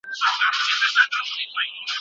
د ټولنې پرمختګ د فرد په پرمختګ پورې تړلی دی.